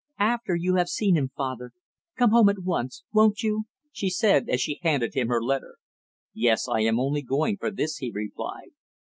"After you have seen him, father, come home at once, won't you?" she said as she handed him her letter. "Yes, I am only going for this," he replied.